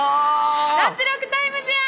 『脱力タイムズ』や！